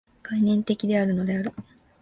概念的であるのである。